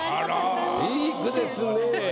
良い句ですね。